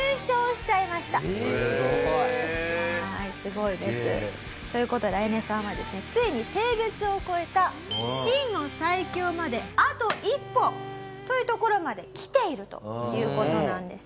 すごいです。という事でアヤネさんはですねついに性別を超えた真の最強まであと一歩というところまできているという事なんですよね。